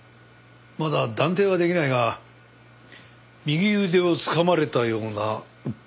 まだ断定はできないが右腕をつかまれたようなうっ血の痕が見て取れた。